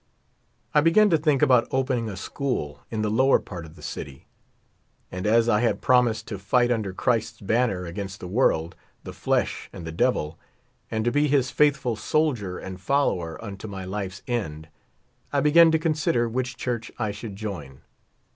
I began to think about opening a school in the lower part of the city. And as I had promised to fight under Christ's banner against the world, the flesh, and the devil, and to be his faithful soldier and follower unto my life's end, I began to consider which church I should join.